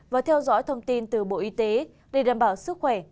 và theo dõi thông tin từ bộ y tế để đảm bảo sức khỏe